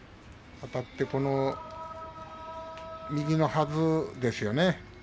あたって右のはずですよね。